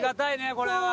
これは。